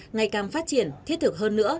ngày càng phát triển thiết thực hơn nữa